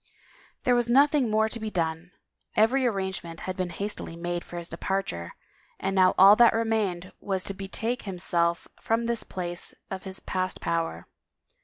There was nothing more to be done; every arrange ment had been hastily made for his departure and now all that remained was to betake himself from this place of his past power.